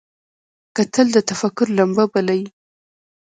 کتل د تفکر لمبه بلي